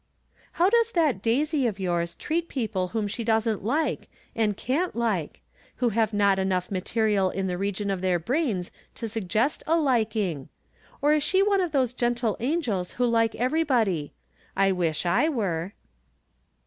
How does that Daisy of yours treat people whom she doesn't like, and can't like ; who have not enough material in the region of their brains to suggest a lildng ? Or is she one of those gentle angels who like everybody ? I wish I were.